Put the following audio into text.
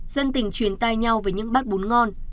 dân tình truyền tay nhau với những bát bún ngon